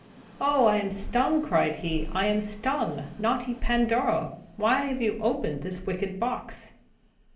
"Oh, I am stung!" cried he. "I am stung! Naughty Pandora! why have you opened this wicked box?"